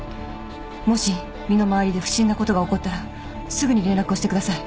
もし身の回りで不審なことが起こったらすぐに連絡をしてください。